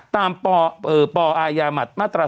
ตามปอมตรา๒๘๗